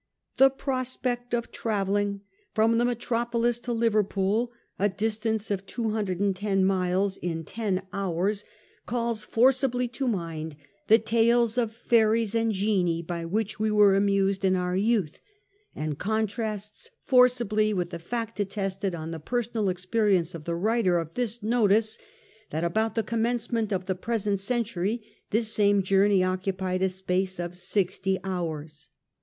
{ The prospect of travelling from the metropolis to Liverpool, a distance of 210 miles, in ten hours, 86 A HISTORY OF OUR OWN TIMES. CH. IT. calls forcibly to mind the tales of fairies and genii by ■which we were amused in our youth, and contrasts forcibly with the fact, attested on the personal ex perience of the writer of this notice, that about the commencement of the present century this same journey occupied a space of sixty hours.